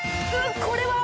これは？